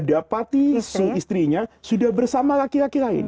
dapati istrinya sudah bersama laki laki lain